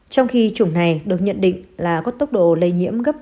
trong khi chủng này được nhận định là có tốc độ lây nhiễm gấp